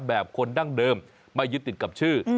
แบบคนดั้งเดิมไม่ยึดติดกับชื่อ